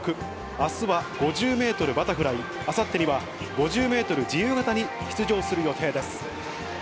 あすは５０メートルバタフライ、あさってには５０メートル自由形に出場する予定です。